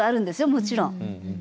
もちろん。